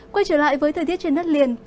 quay trở lại với thời tiết trên đất liền